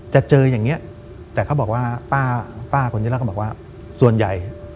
จะเจออย่างนี้แต่เขาบอกว่าป้าคนนี้แล้วก็บอกว่าส่วนใหญ่